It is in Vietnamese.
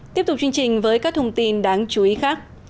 tiếp tục chương trình với các thông tin đáng chú ý khác